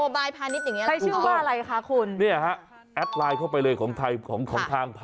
บายพาณิชย์อย่างนี้ใช้ชื่อว่าอะไรคะคุณเนี่ยฮะแอดไลน์เข้าไปเลยของไทยของของทาง